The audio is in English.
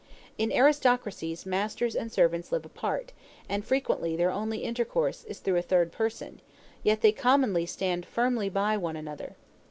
In aristocracies masters and servants live apart, and frequently their only intercourse is through a third person; yet they commonly stand firmly by one another.